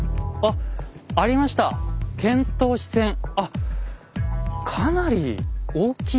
あっかなり大きい。